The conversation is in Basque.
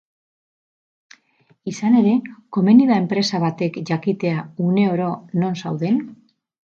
Izan ere, komeni da enpresa batek jakitea une oro non zauden?